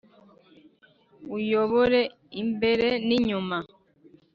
Uyobore imbere ni nyuma